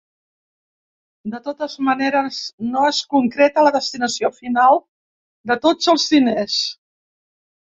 De totes maneres, no es concreta la destinació final de tots els diners.